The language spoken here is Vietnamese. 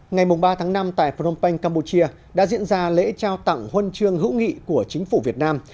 ngày ba tháng năm tại phnom penh campuchia đã diễn ra lễ trao tặng huân chương hữu nghị của chính phủ việt nam